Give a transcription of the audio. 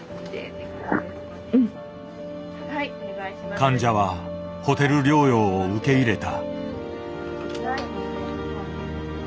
患者はホテル療養を受け入れた。